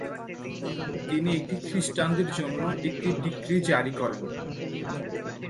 তিনি একটি খ্রিষ্টানদের জন্য একটি ডিক্রি জারি করেন।